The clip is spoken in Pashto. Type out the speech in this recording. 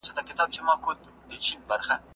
د عمر بن عبدالعزیز رحمه الله مذهب څه وو؟